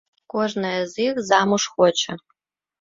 Кожная з іх замуж хоча.